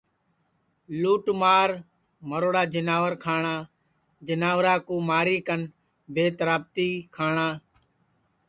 لُوٹ مار مروڑا جیناور کھاٹؔا جیناورا کُو ماری کن بے ترابتی کھاٹؔا